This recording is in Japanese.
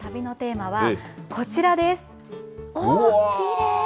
今回の旅のテーマは、こちらです。